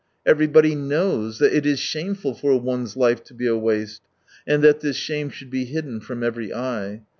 Everybody knows that it is shameful for one's life to be a waste, and that this shame should be hidden from every eye.